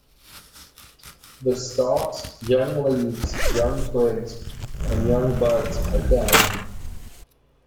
The stalks, young leaves, young twigs and young buds are downy.